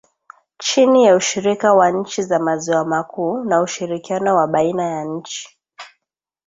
chini ya ushirika wa nchi za maziwa makuu na ushirikiano wa baina ya nchi